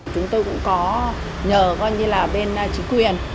chúng tôi cũng có nhờ coi như là bên chính quyền